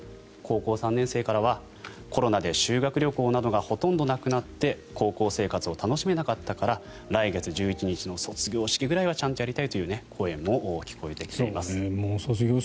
高校３年生からはコロナで修学旅行などがほとんどなくなって高校生活を楽しめなかったから来月１１日の卒業式ぐらいはちゃんとやりたいという声も聞こえてきています。